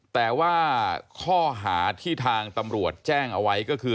แต่ว่าข้อหาที่ทางตำรวจแจ้งเอาไว้ก็คือ